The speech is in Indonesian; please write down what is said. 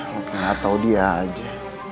mungkin gatau dia aja